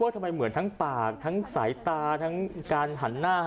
ทำไมเหมือนทั้งปากทั้งสายตาทั้งการหันหน้า